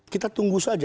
kita tunggu saja